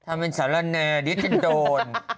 ทำเป็นสารแนกหรือจะโดน